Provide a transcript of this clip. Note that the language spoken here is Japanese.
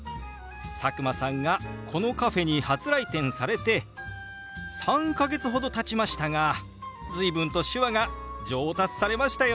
佐久間さんがこのカフェに初来店されて３か月ほどたちましたが随分と手話が上達されましたよね！